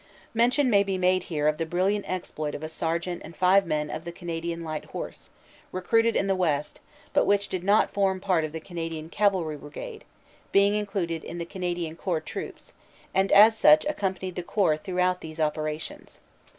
Mention may be made here of the brilliant exploit of a sergeant and five men of the Canadian Light Horse, recruited in the west, but which did not form part of the Canadian Cavalry Brigade, being included in the Canadian Corps Troops, and as such accompanied the Corps throughout these operations.